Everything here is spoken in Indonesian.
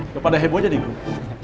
gapada hebohnya di grup